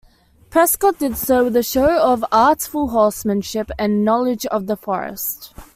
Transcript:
Prescott did so with a show of artful horsemanship and knowledge of the forest.